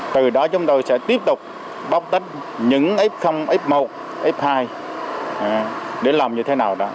từ đó chúng tôi sẽ tiếp tục bóc tách những f ít một f hai để làm như thế nào đó